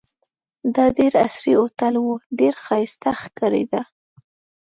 دا ډېر عصري هوټل وو، ډېر ښایسته ښکارېده.